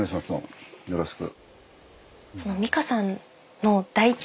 よろしく。